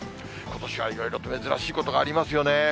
ことしはいろいろと珍しいことがありますよね。